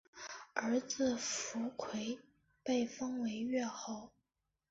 儿子苻馗被封为越侯。